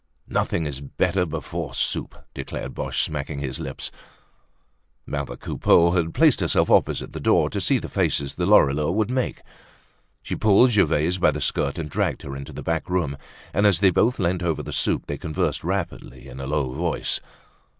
"Nothing is better before soup," declared Boche, smacking his lips. Mother Coupeau had placed herself opposite the door to see the faces the Lorilleuxs would make. She pulled Gervaise by the skirt and dragged her into the back room. And as they both leant over the soup they conversed rapidly in a low voice.